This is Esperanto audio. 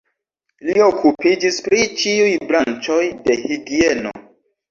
Li okupiĝis pri ĉiuj branĉoj de higieno.